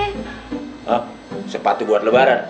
hah sepatu buat lebaran